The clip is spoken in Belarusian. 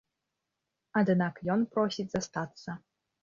Аднак ён просіць застацца.